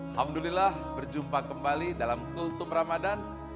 alhamdulillah berjumpa kembali dalam kultum ramadhan